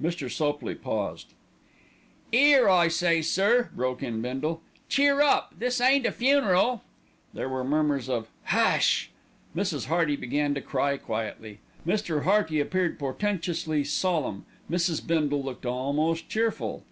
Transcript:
Mr. Sopley paused. "'Ere, I say, sir," broke in Bindle. "Cheer up, this ain't a funeral." There were murmurs of "Husssssssssh!" Mrs. Hearty began to cry quietly. Mr. Hearty appeared portentously solemn, Mrs. Bindle looked almost cheerful.